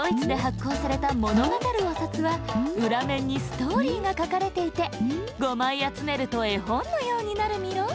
こうされた物語るお札はうら面にストーリーがかかれていて５まいあつめると絵本のようになるミロ。